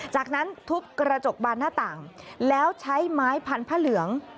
จากนั้นทุบกระจกบานหน้าต่างแล้วใช้ไม้พันผ้าเหลือง